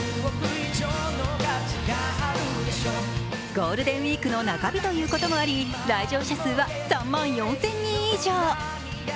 ゴールデンウイークの中日ということもあり、来場者数は３万４０００人以上。